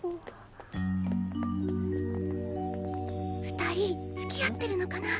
二人つきあってるのかな？